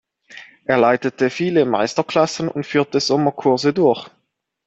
Er leitete viele Meisterklassen und führte Sommerkurse durch.